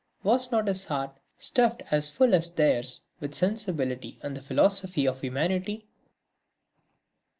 was not his heart stuffed as full as theirs with sensibility and the philosophy of humanity?